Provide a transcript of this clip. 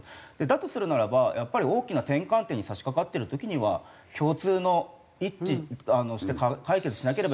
だとするならばやっぱり大きな転換点に差しかかってる時には共通の一致して解決しなければいけない課題っていうのを解決する。